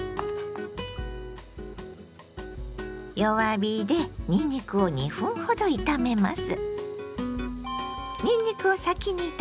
弱火でにんにくを２分ほど炒めます。